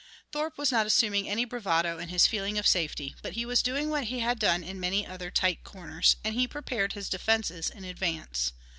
Thorpe was not assuming any bravado in his feeling of safety, but he was doing what he had done in many other tight corners, and he prepared his defences in advance.